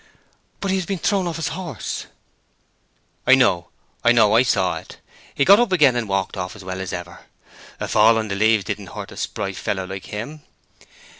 "But he has been thrown off his horse!" "I know; I know. I saw it. He got up again, and walked off as well as ever. A fall on the leaves didn't hurt a spry fellow like him.